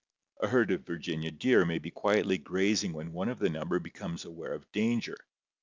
A herd of Virginia deer may be quietly grazing when one of the number becomes aware of danger.